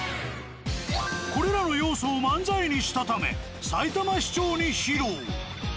これらの要素を漫才にしたためさいたま市長に披露。